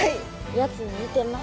やつに似てます。